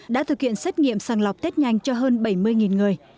đã thực hiện xét nghiệm sàng lọc tết nhanh cho hơn bảy mươi người